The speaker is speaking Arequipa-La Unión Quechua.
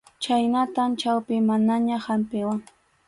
Chhaynatam chaypi mamaña hampiwan.